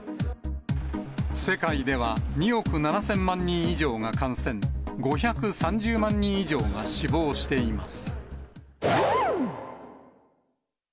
世界では、２億７０００万人以上が感染、５３０万人以上が死亡しています。